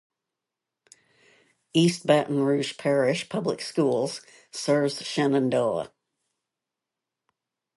East Baton Rouge Parish Public Schools serves Shenandoah.